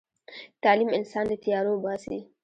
تعلیم انسان له تیارو وباسي.